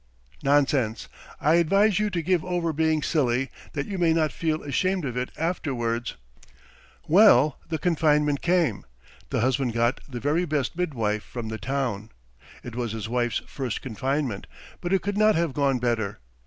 "'Nonsense, I advise you to give over being silly that you may not feel ashamed of it afterwards.' "Well, the confinement came. The husband got the very best midwife from the town. It was his wife's first confinement, but it could not have gone better.